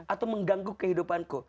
atau mengganggu kehidupanku